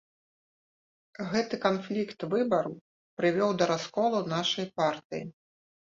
Гэты канфлікт выбару прывёў да расколу нашай партыі.